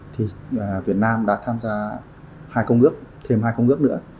thì việt nam đã tham gia hai công ước thêm hai công ước nữa